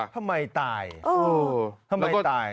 ทำไมตายทำไมตาย